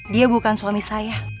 dia bukan suami saya